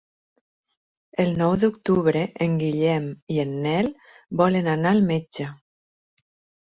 El nou d'octubre en Guillem i en Nel volen anar al metge.